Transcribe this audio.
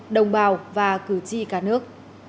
đồng bào và cử tri cả nước